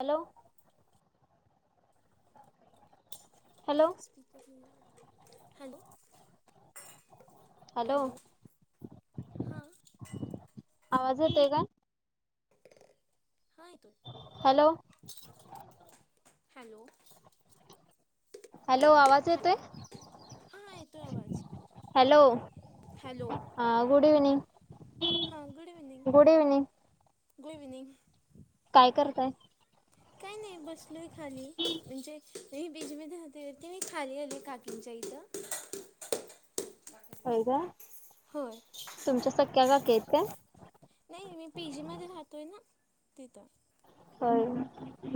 Hello hello hello hello हां आवाज येतय का? हा तो हॅलो हॅलो हॅलो आवाज येतोय हॅलो हा येतो आवाज हॅलो हां गुड इव्हनिंग. हा good evening good evening good evening काय करताय. काही नाही बसलोय खाली म्हणजे म बीजमध्ये खते तेही खाली आले काकीच्या इथं. ह का हो तुमच्या सख्या काक येते. नाही मी पे जीमध्ये राहतो आहे ना तिथं. हो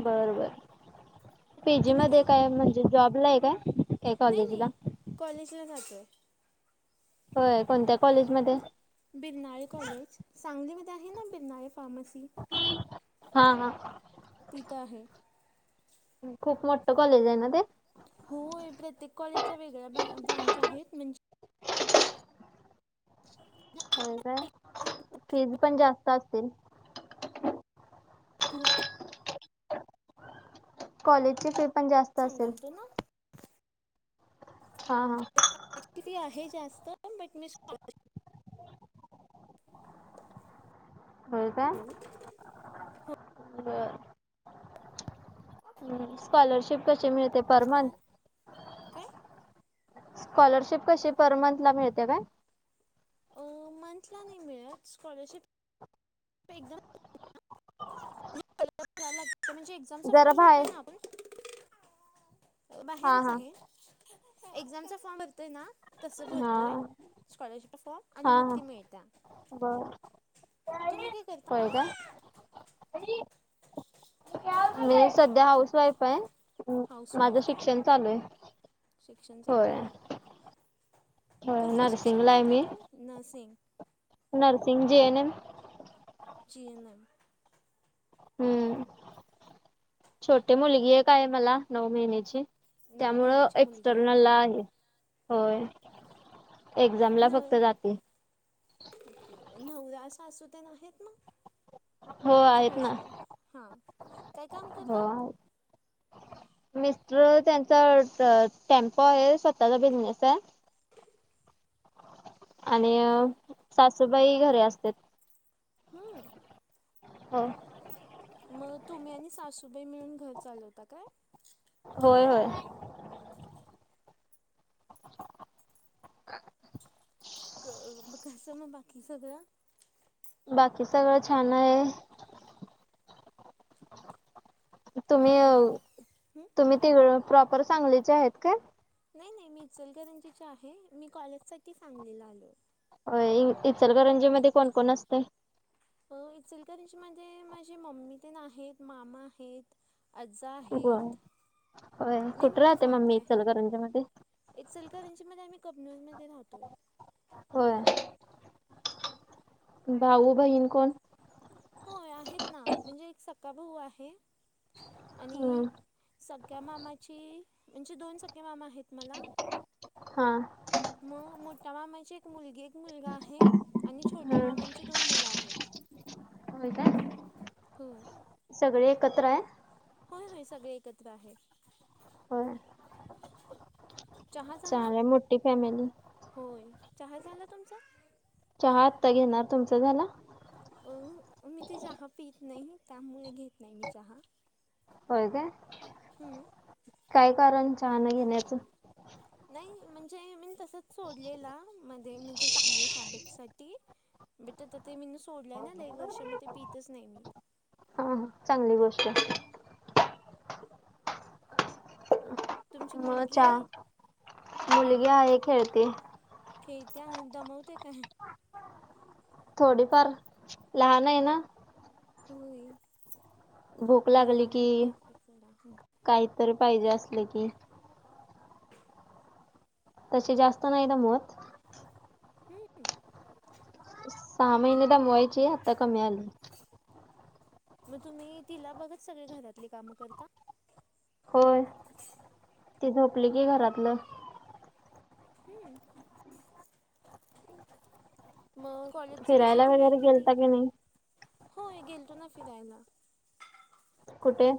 बरबर पेजी मध्ये काय म्ह म्ह जॉब ला आहे काय? काय नाही कॉलेजला नाही कॉलेजला जाचं आहे. होय कोणत्या कॉलेजमध्येध्ये बिरनाळे कॉलेज सांगलीमध्ये आहे ना बिरनाळे फार्मसी हा हा तिथं आहे. खूप मोठं कॉलेज आहे ना ते? होय, प्रत्येक कॉलेजच्या वेगळ्या ब्रांच आहेत, म्हणजे होय काय? फीज पण जास्त असतील? खु कॉलेजचे पेप सांगलतो ना हा, हा. [unintelligible] आहे जास्त, बट म [inaudible] होय काय? हो बर. [unintelligible] [inaudible] स्कॉलरशिप कशी मिळते? पर मंथ [unintelligible] काय? स्कॉलरशिप कशी पर मंथ ला मिळते काय? अ, मंथला नाही मिळत, स्कॉलरशिप [unintelligible] म्हणजे एक्झामचा जरा फॉर्म भरतोय बाहेर ना आपण हा बाहेरच हा आहे, एक्झामचा फॉर्म भरतोय ना तसं हा भरतोय स्कॉलरशिपचा फॉर्म, आणि हा मग हा ती मिळत्या. बर. तुम्ही काय करता? होय काय? मी हॅलो सध्या हाऊस वाईफ आहे, माझं हाऊसवाईफ काय शिक्षण चालू आहे. शिक्षण होय चालू हाय होय कसल शिक्षण नर्सिंगला आहे घेताय मी तुम्ही? Nursing. Nursing, J. N. M. G. N. M. हम! छोटी मुलगी एक आहे मला, नऊ महिन्याची. नऊ त्यामुळं महिन्याची मुलगी काय एक्सटर्नलला आहे. होय, एक्झामला फक्त न जातोय. [unintelligible] नवरा सासू तेन आहेत मग? हो तुमचे आहेत ना हजबंड, हा, काय काम हो करतात? [unintelligible] [inaudible] मिस्टर, त्यांचा टेम्पो आहे, स्वतःचा बिझनेस आहे. आणि स्व सासूबाई घरी असत्यात. हा. हो. मग, तुम्ही आणि सासूबाई मिळून, घर चालवता काय? होय होय. [unintelligible] [inaudible] क कसं, म बाकी सगळ् बाकी सगळं छान आहे. [unintelligible] तुम्ही, आणि हं तुम्ही तिकडं प्रॉपर, सांगलीचे आहेत काय? नाही नाही, मी इचलकरंजीची आहे, मी कॉलेज साठी सांगलीला आले. होय, इचलकरंजीमध्ये कोण-कोण असतय? इचलकरजी मध्ये माझे मम्मी तेन आहेत, मामा आहेत. आज्जा आहेत. होय, लई कुठे राहते मम्मी इचलकरंजी मध्ये? इचलकरंजी मध्ये आम्ही, कबनूर मधे राहतोय. होय, भाऊ बहीण कोण? हो आहेत ना म्हणजे एक सख्खा भाऊ आहे हम्म आणि सख क्या मामाची म्हणजे दोन सक्के मामा आहेत मला हां मग मोठा मामाची एक मुलगी एक मुलगा आहे आणि छोट्या मामांची दोन मुलं आहेत हो काय हो सगळे एकत्र आहे होय, होय सगळे एकत्र आहेत होय चहा झाला चांगली मोठी फॅमिली होय चहा झाला तुमचा चहा आत्ता घेणार तुमचा झाला? अ मी ते चहा पीत, नाही त्यामुळे घेत नाही मी चहा होय काय हम्म काय कारण चाहना घेण्याचं नाही म्हणजे मी तसच सोडलेला मध्ये म्हणजे चांगली हॅबिट साठी बट आता ते मी सोडलंय ना आला एक वर्ष म ते पितच नाही मी हा चांगली गोष्टय तुमची म च मुलगी मुलगी हॅलो आहे खेळते खेळते आणि दमवते काय थोडीफार लहान आहे ना होई भूक लागली लहान की काहीतरी पाहिजे असले की तशी जास्त नाही दमवत हम्म सहा महिने दमवायची आता कमी आली मग तुम्ही तिला बघत सगळे घरातली कामं करता होय ती झोपली की घरातलं हम मग कॉलेजचं कसं फिरायला तुम्ही वगैरे किती गेलता की नाही होय गेलतो ना फिरायला कुठे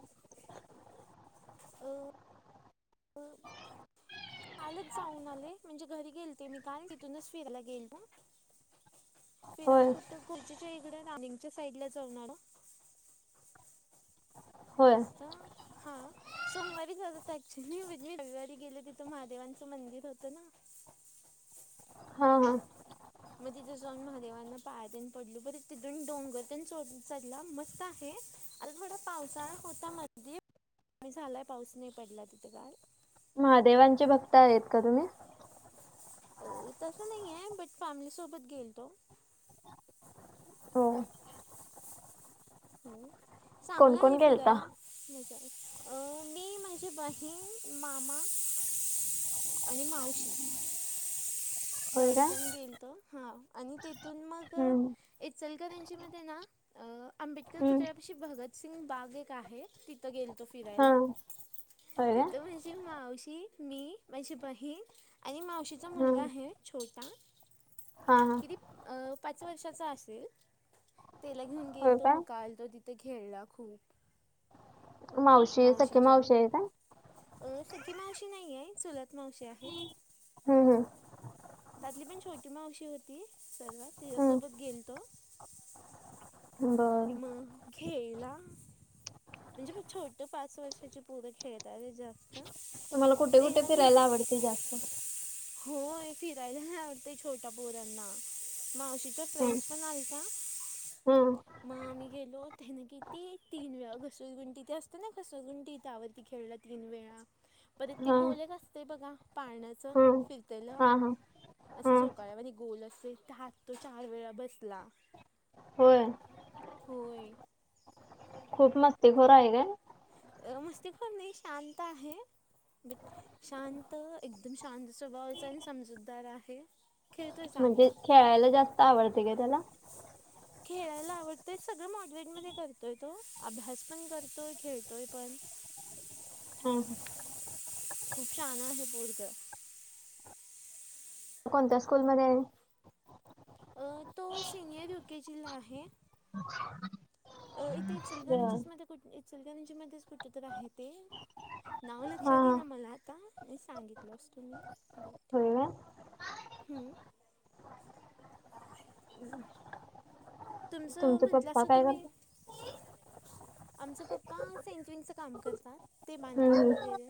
अ ह कालच जाऊन आले म्हणजे घरी गेल ते मी काल तिथूनच फिरायला गेलो फिराय होय कुठ खुर्जच्या इकडे रानंगच्या साईड ला जाऊन आलो होय मस्त हा सोमवारी जातात ऍक्च्युली म्हणजे रविवारी गेले तिथं महादेवांचं मंदिर होतं ना हा, हा मग तिथं जाऊन महादेवांना पायात पडल ब तिथून डोंगर चढला मस्त आहे आर थोडा पावसाळा होता मध्ये झालाय पाऊस नाही पडला तिथे काल महादेवांचे भक्त आहेत का तुम्ही अ तसं नाही आहे बट फॅमिली सोबत गेल तो हो हो कोण चांगला कोण आहे गेलता फिरायला मजा अं मी माझी बहीण मामा आणि मावशी होय तेवढे काय जन गेलतो आणि तेथून मग हम्म इचलकरंजी मध्ये ना अं आंबेडकर हम्म पुतळ्यापाशी भगतसिंग बाग एक आहे तिथं गेलतो हा फिरायला होय काय तिथं म्हणजे मावशी मी माझी बहीण आणि मावशीचा मुलगा हम्म आहे छोटा हा हा किती पाच वर्षाचा असेल तेला घेऊन गेल होय तो काय मका आल तो तिथे खेळला खूप मावशी सख्या मावशीच्या मावशी आहेे काय अ सक्खी मावशी नाही आहे चुलत मावशी आहे हम्म त्यातली पण छोटी मावशी होती सर्वात हम्म तिच्यासोबत गेलतो हम्म बर म घेला म्हणजे म छोट पाच वर्षाची पुूरं खेळत आले जास्त मला कुठे कुठे फिरायला आवडते जास्त हो फिरायला आवते छोटा पोरांना मावशीच्या हम्म फ्रेंड्स पण आली का हम्म मग आम्ही गेलो त्या ना किती तीन वेळा घसरगुंट ते असत ना घसरगुंटी त्यावरती खेळला तीन वेळा परत ते हम्म गोलक असते बघा पाळण्याचं हम्म फिरतलं हां हां असं हां जो काळ्यामध्ये गोल असेल त्यात तो चार वेळा बसला होय होय खूप मस्ती खोरा आहे का अ मस्ती खोर नाही शांत आहे बट शांत एकदम शांत स्वभावाच आणि समजूतदार आहे खेळतोय म्हणजे चांगला खेळायला जास्त आवडते का त्याला खेळायला आवडतय सगळं मोडरेट मध्ये करतोय तो अभ्यास पण करतोय खेळतोय पण हम् खूप छान आहे पोरग कोणत्या स्कूलमध्ये आहे तो सिनियर यू के जीला आहे अच्छा अ इथे इचलकरंजी मध्ये कुठ इचलकरंजी मध्येच कुठे तर आहे ते नाव लक्षात हां हां येईना मला आता सांगितलं आसंतो मी बट होय काय? हम हम् तुमचं तुमचा पप्पा काय करत आमचा पप्पा सेंटविंगच काम करतात ते हम्म बांधकाम हम्म वगैरे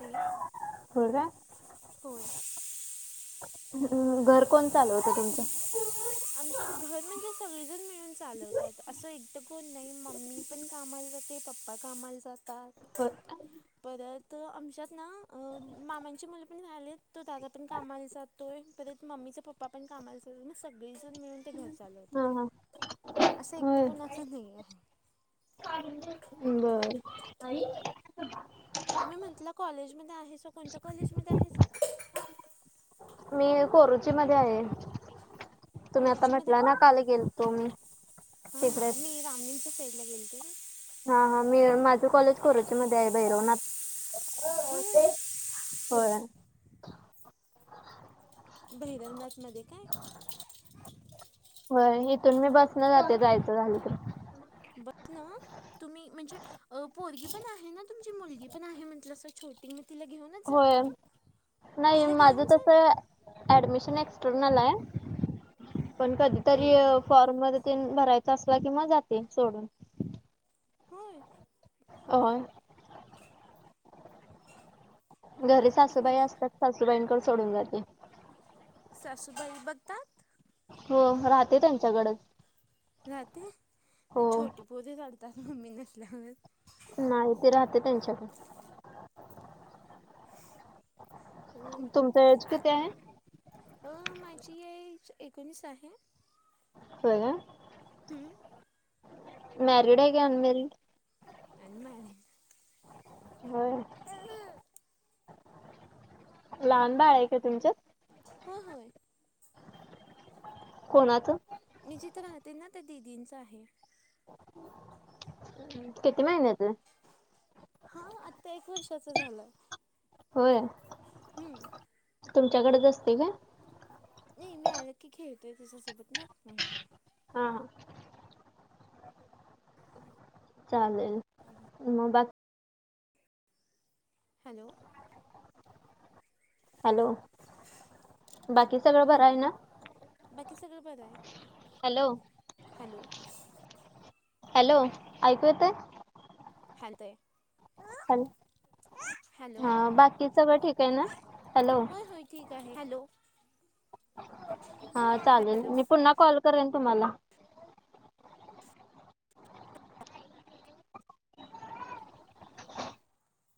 ते होय काय होय हम् घर कोण चालवतं तुमचं आमच्या घर म्हणजे सगळेजण मिळून चालवतात असं एकटं कोण नाही मम्मी पण कामाला जाते पप्पा कामाला जातात होय परत आमच्यात ना मामांची मुलं पण राहिले तो दादा पण कामाला जात तो परत मम्मीचा पप्पा पण कामाला जातात मग सगळीजण मिळून ते घर चालवतात हां हां असं एकट कोणाच नाही आहे बर तुम्ही म्हंटला कॉलेज मध्ये आहेसा कोणत्या कॉलेजमध्येध्ये आहेसा कोरुची मध्ये आहे तुम्ही आता खर्ची मध्ये म्हटला ना काल गेलतो मी हा तिकडे हा मी रामगिरच्या साईडला गेलते ना हा हा मी माझं कॉलेज कोरोची मध्ये आहे भैरवनाथ होय होय भैरवनाथ मध्ये काय इथून मी बसन जाते जायचं झालं तर बचन तुम्ही म्हणजे पोरगी पण आहे ना तुमची मुलगी पण आहे म्हंटलं अस छोटी तिला घेऊनच होय जाता नाही तिला माझं घेऊन जा तस अडमिशन एक्टर्नल आहे पण कधीतरी हम्म फॉर्म तिनं भरायचा असला की म जाते सोडून. होय अ घरी एक सासूबाई मिनिट असतात सासूबाईंकडे सोडून जाते. साासुबाई बघतात. हो राहते त्यांच्याकडेच. राहते हो छोटी पोरी रडतात मम्मी नसल्यावर. नाही ती राहते त्यांच्याकडे. तुमचं एज अ किती आहे. अ माझी आ एकोणीस आहे. [unintelligible] हम्म मॅरिड आहे का अणमॅरीड. अनमॅरिड. हो लहान बाळ आहे का तुमचं. हो हो. कोणाच मी जिथं राहते ना त्या दिदींचं आहे. किती महिन्याचं हा आत्ता एक वर्षाचं झालं आहे. होय हम्म तुमच्याकडेच असते का. नाही मी आलं की खेळतोय त्याच्यासोबत ना म्हणून. हा हा चालेल मग बाकी हॅलो हॅलो बाकी सगळं भर आहे हॅलो ना बाकी सगळं बरं आहे. हॅलो. हॅलो हॅलो ऐकू येत हां येतय. हॅ हॅलो हा बाकी सगळं ठीक आहे ना हॅलो. होय होय ठीक आहे हॅलो हा चालेल हॅलो मी पुन्हा कॉल करेन तुम्हाला.